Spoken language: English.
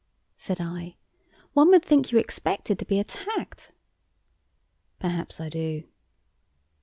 said I. "One would think you expected to be attacked." "Perhaps I do."